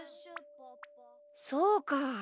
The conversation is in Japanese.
そうか。